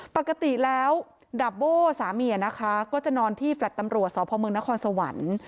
ปกติแล้วดาบโบ้สามีนะคะก็จะนอนที่แฟลต์ตำรวจสพมนครสวรรค์